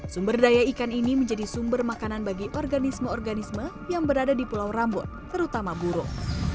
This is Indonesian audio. sumber daya ikan ini menjadi sumber makanan bagi organisme organisme yang berada di pulau rambut terutama burung